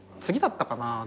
次だったかな？